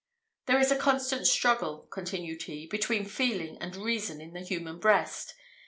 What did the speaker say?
"There is a constant struggle," continued he, "between feeling and reason in the human breast.